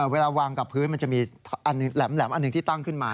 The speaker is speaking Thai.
เวลาวางกับพื้นมันจะมีแหลมอันหนึ่งที่ตั้งขึ้นมา